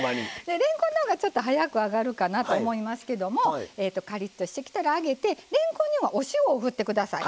れんこんの方がちょっと早く揚がるかなと思いますけどカリッとしてきたら上げてれんこんにはお塩を振って下さい。